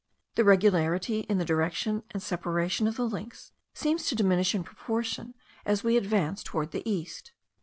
The regularity in the direction and separation of the links seems to diminish in proportion as we advance towards the east.